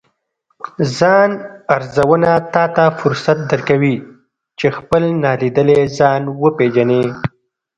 ځان ارزونه تاته فرصت درکوي، چې خپل نالیدلی ځان وپیژنې